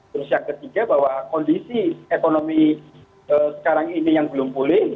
terus yang ketiga bahwa kondisi ekonomi sekarang ini yang belum pulih